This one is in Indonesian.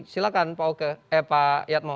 silahkan pak oke eh pak yatmo